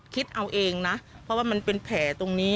คิดเอาเองนะเพราะว่ามันเป็นแผลตรงนี้